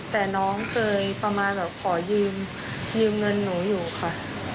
แต่น้องเคยประมาณแบบขอยืมเงินหนูอยู่ค่ะ